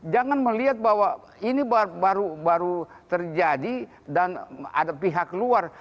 jangan melihat bahwa ini baru terjadi dan ada pihak luar